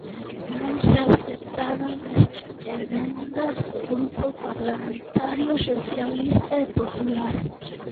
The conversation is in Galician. Non se aceptaron as emendas do Grupo Parlamentario Socialista e Popular.